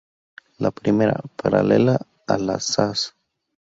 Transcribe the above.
La primera, paralela a las Sas.